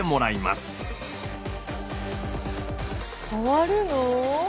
変わるの？